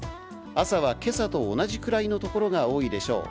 朝はけさと同じくらいの所が多いでしょう。